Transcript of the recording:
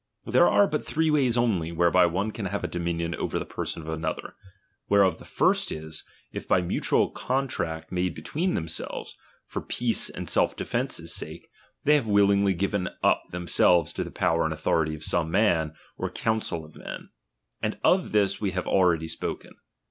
Tlitire are but tliree ways only, whereby one can have a dominion over the person of another ; whereof the first is, i'f by mutual contract made between themselves, for X*^ace and self defence's sake, they have willingly S^veu up themselves to the power and authority of Some man, or council of men ; and of this we have *ilready spoken.